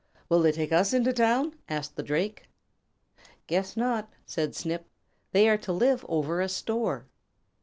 "Will they take us into town?" asked the Drake. "Guess not," said Snip. "They are to live over a store."